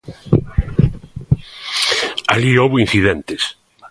Alí houbo incidentes.